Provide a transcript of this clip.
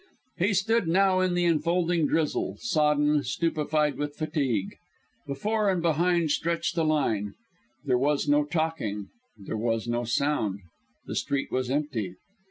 He stood now in the enfolding drizzle, sodden, stupefied with fatigue. Before and behind stretched the line. There was no talking. There was no sound. The street was empty.